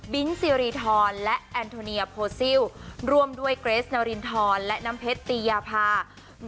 ซีรีทรและแอนโทเนียโพซิลร่วมด้วยเกรสนารินทรและน้ำเพชรตียาพา